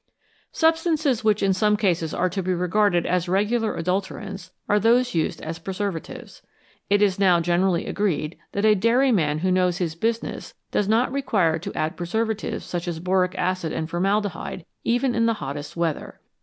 Substances which in some cases are to be regarded as regular adulterants are those used as preservatives. It is now generally agreed that a dairyman who knows his business does not require to add preservatives such as boric acid and formaldehyde, even in the hottest weather.